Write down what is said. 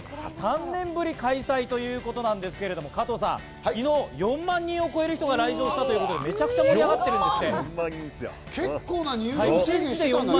３年ぶり開催ということなんですけど加藤さん、昨日４万人を超える人が来場したということで、めちゃくちゃ盛り上がってるんです。